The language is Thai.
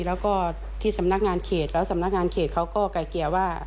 แล้วก็ที่สำนักงานเขตแล้วสำนักงานเขตเขาก็ไก่เกลี่ยว่า